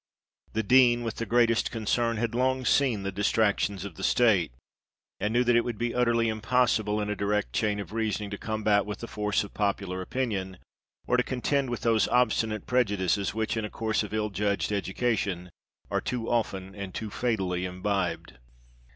The Dean, with the greatest concern, had long seen the Distractions of the state, and knew that it would be utterly impossible in a direct chain of reasoning, to combat with the force of popular opinion, or to con tend with those obstinate prejudices which in a course of ill judged education are too often and too fatally imbibed.